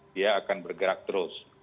dia akan bergerak terus